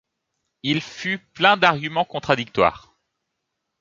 Il fut plein d’arguments contradictoires.